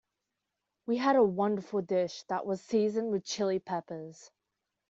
We had a wonderful dish that was seasoned with Chili Peppers.